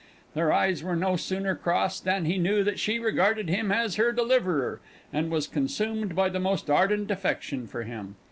Their eyes were no sooner crossed than he knew that she regarded him as her deliverer, and was consumed by the most ardent affection for him.